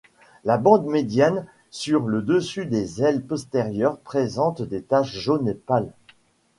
La bande médiane sur le dessus des ailes postérieures présente des taches jaune pâle.